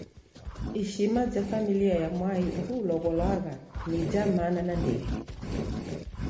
Ishima ja familia ya mwai uhu ulow'olwagha ni ja mana nandighi.